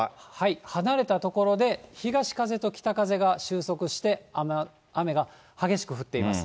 離れた所で東風と北風が集束して、雨が激しく降っています。